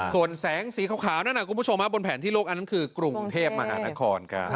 ส่วนแสงสีขาวนั่นคุณผู้ชมบนแผนที่โลกอันนั้นคือกรุงเทพมหานครครับ